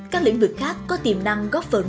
các lĩnh vực khác có tiềm năng góp phần